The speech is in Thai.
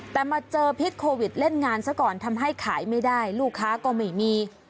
แต่มาเจอพิษโควิดเล่นงานซะก่อนทำให้ขายไม่ได้ลูกค้าก็ไม่มี